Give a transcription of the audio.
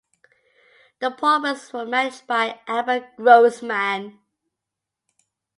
The Paupers were managed by Albert Grossman.